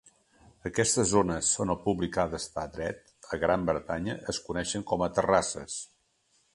Aquestes zones on el públic ha d'estar dret a Gran Bretanya es coneixien com a "terrasses".